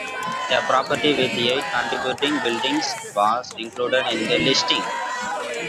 A property with eight contributing buildings was included in the listing.